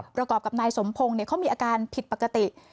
ประกอบกับนายสมพงศ์เขามีอาการผิดปกติ